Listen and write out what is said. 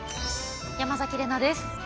山崎怜奈です。